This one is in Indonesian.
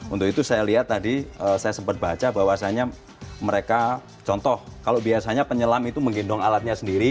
untuk itu saya lihat tadi saya sempat baca bahwasannya mereka contoh kalau biasanya penyelam itu menggendong alatnya sendiri